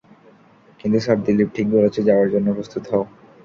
কিন্তু, স্যার - দিলীপ ঠিক বলেছে যাওয়ার জন্য প্রস্তুত হও।